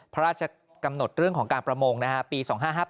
พระราชกำหนดเรื่องของการประมงปี๒๕๕๘